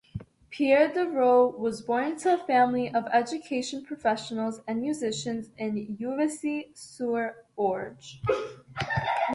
Pierre Dervaux was born to a family of education professionals and musicians in Juvisy-sur-Orge.